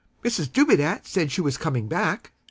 Mrs. Dubedat said she was coming back.